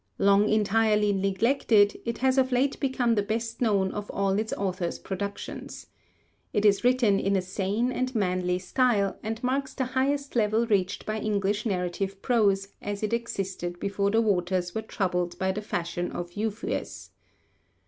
Long entirely neglected, it has of late become the best known of all its author's productions. It is written in a sane and manly style, and marks the highest level reached by English narrative prose as it existed before the waters were troubled by the fashion of Euphues.